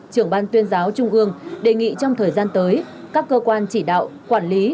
trưởng ban tuyên giáo trung ương đề nghị trong thời gian tới các cơ quan chỉ đạo quản lý